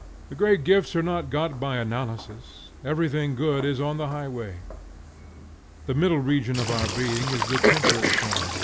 The great gifts are not got by analysis. Everything good is on the highway. The middle region of our being is the temperate zone.